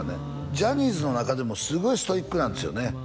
ジャニーズの中でもすごいストイックなんですよね